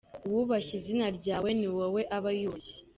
Uwubashye izina ryawe ni wowe aba yubashye.